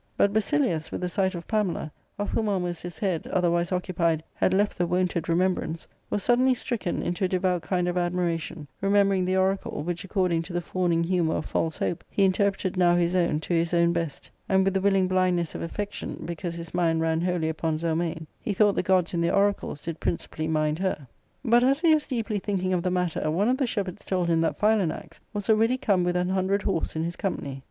But Basilius, with the sight of Pamela, of whom almost his head, otherwise occupied, had left the wonted remembrance, was suddenly stricken into a devout kind of admiration, remembering the oracle, which, according to the fawning humcMur of false hope, he interpreted now his own to his own ofeSt^ and with the willing blindness of affection, because his mind ran wholly upon Zelmane, he thought the gods in their oracles did principally mind her. But, as he was deeply thinking of the matter, one of the shepherds told him that Philanax was already come with an hundred horse in his company.